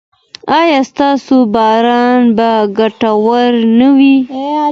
ایا ستاسو باران به ګټور نه وي؟